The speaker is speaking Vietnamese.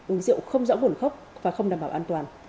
uống rượu không rõ buồn khóc và không đảm bảo an toàn